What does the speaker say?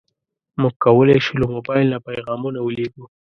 موږ کولی شو له موبایل نه پیغامونه ولېږو.